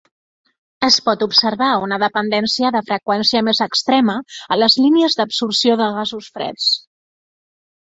Es pot observar una dependència de freqüència més extrema a les línies d'absorció de gasos freds.